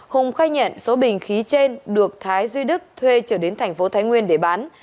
hùng khai nhận số bình khí trên được thái duy đức thuê trở đến tp thái nguyên để bán